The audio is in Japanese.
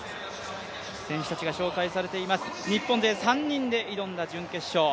選手たちが紹介されています、日本勢３人で臨んだ準決勝。